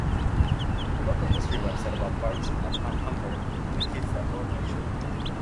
A local history website about Barton-Upon-Humber indicates that both are true.